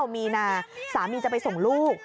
มีนาสามีจะไปส่งลูก